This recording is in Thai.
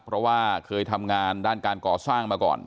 เพราะว่าเคยทำงานด้านการก่อสร้างมาก่อน